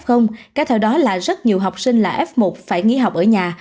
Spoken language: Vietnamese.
kéo theo đó là rất nhiều học sinh là f một phải nghỉ học ở nhà